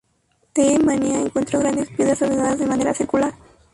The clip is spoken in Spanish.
D. Mania encontró grandes piedras ordenadas de manera circular.